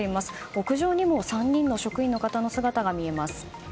屋上にも３人の職員の方の姿が見えます。